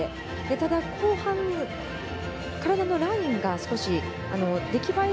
ただ後半、体のラインが少し出来栄え